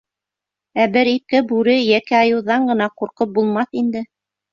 Ә бер-ике бүре йәки айыуҙан ғына ҡурҡып булмаҫ инде.